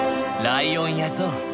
ライオンや象。